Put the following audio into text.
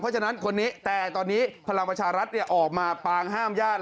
เพราะฉะนั้นคนนี้แต่ตอนนี้พลังประชารัฐออกมาปางห้ามญาติ